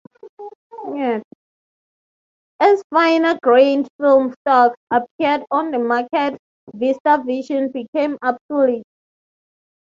As finer-grained film stocks appeared on the market, VistaVision became obsolete.